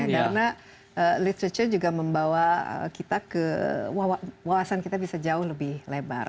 karena literatur juga membawa kita ke wawasan kita bisa jauh lebih lebar